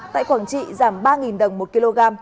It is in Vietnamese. tại quảng trị giảm ba đồng một kg